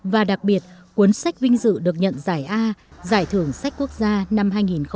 và đặc biệt cuốn sách vinh dự được nhận giải a giải thưởng sách quốc gia năm hai nghìn một mươi chín